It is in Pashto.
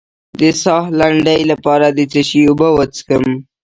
د ساه لنډۍ لپاره د څه شي اوبه وڅښم؟